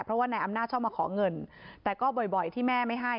เพราะว่านายอำนาจชอบมาขอเงินแต่ก็บ่อยที่แม่ไม่ให้